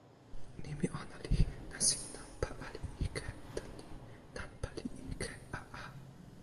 nimi ona li “nasin nanpa ali ike” tan ni: nanpa li ike, a a!